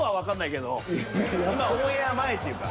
オンエア前っていうか。